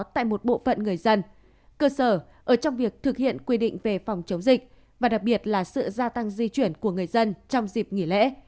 trong việc thực hiện quy định về phòng chống dịch và đặc biệt là sự gia tăng di chuyển của người dân trong dịp nghỉ lễ